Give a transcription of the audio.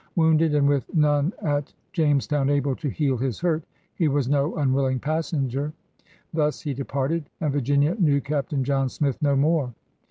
Wounded, and with none at Jamestown able to heal his hurt, he was no imwilling passenger. Thus he departed, and Virginia knew Captain John Smith no more.